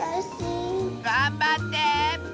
がんばって！